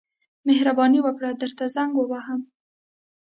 مهرباني وکړه درته زنګ ووهم.